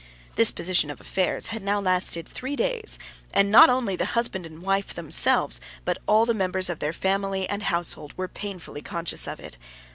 This position of affairs had now lasted three days, and not only the husband and wife themselves, but all the members of their family and household, were painfully conscious of it.